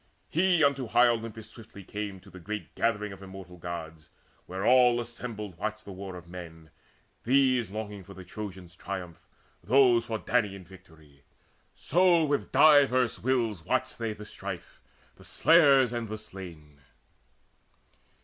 He unto high Olympus swiftly came, To the great gathering of immortal Gods, Where all assembled watched the war of men, These longing for the Trojans' triumph, those For Danaan victory; so with diverse wills Watched they the strife, the slayers and the slain.